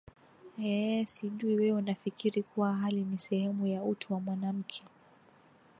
eeh sijui wewe unafikiri kuwa hali ni sehemu ya utu wa mwanamke